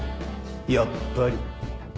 やっぱり。